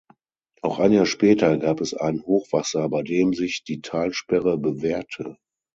Auch ein Jahr später gab es ein Hochwasser, bei dem sich die Talsperre bewährte.